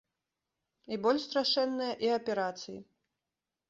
І боль страшэнная, і аперацыі.